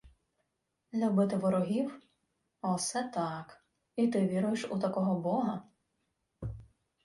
— Любити ворогів! Осе так! І ти віруєш у такого бога?